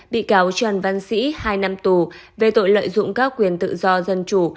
bị cáo trần văn sĩ hai năm tù về tội lợi dụng các quyền tự do dân chủ